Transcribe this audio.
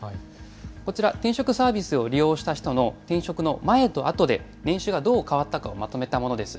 こちら、転職サービスを利用した人の転職の前と後で年収がどう変わったかをまとめたものです。